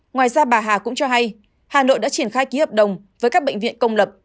ngoài ra bà hà cũng cho hay hà nội đã triển khai ký hợp đồng với các bệnh viện công lập